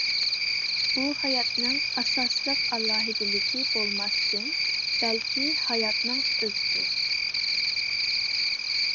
بۇ ھاياتنىڭ ئاساسلىق ئالاھىدىلىكى بولماستىن، بەلكى ھاياتنىڭ ئۆزىدۇر.